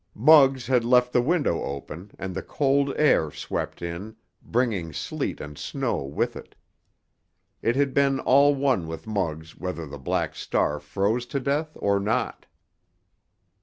Muggs had left the window open, and the cold air swept in, bringing sleet and snow with it. It had been all one with Muggs whether the Black Star froze to death or not.